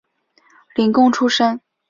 廪贡出身。